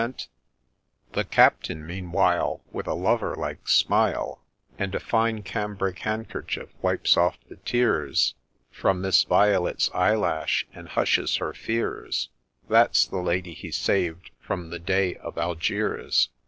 ] 190 SOME ACCOUNT OF A NEW PLAY The Captain, meanwhile, With a lover like smile, And a fine cambric handkerchief, wipes off the tears From Miss Violet's eyelash, and hushes her fears. (That 's the Lady he saved from the Dey of Algiers.)